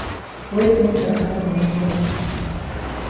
Wait make I find moni fes.